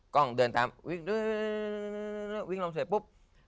กล้องเลินตามวิ่งลงเสร็จปุ๊บ